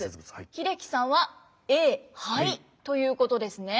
英樹さんはＡ灰ということですね。